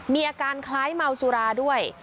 มีอาการคล้ายเมาสุราด้วย